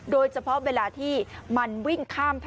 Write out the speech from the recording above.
โดยเฉพาะเวลาที่มันวิ่งข้ามถนนนะ